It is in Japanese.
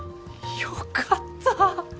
よかった。